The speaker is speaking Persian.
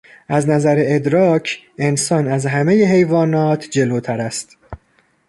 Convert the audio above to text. از نظر ادراک، انسان از همهی حیوانات جلوتر است.